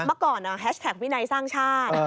เมื่อก่อนแฮชแท็กวินัยสร้างชาติ